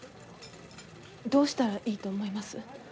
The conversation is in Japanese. どうしたらいいと思います？